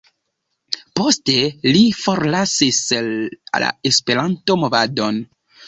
Poste li forlasis la Esperanto-movadon.